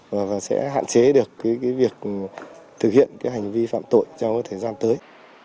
và sẽ hạn chế được việc thực hiện hành vi phạm tội trong thời gian tới